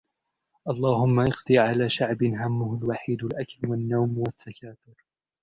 اللهم اقضي على شعب همه الوحيد الأكل و النوم و التكاثر.